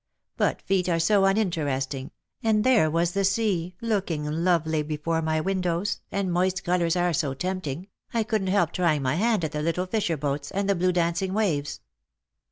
But feet are so uninteresting, and there was the sea looking lovely before my windows, and moist colours are so tempting, I couldn't help trying my hand at the little fisher boats, and the blue dancing waves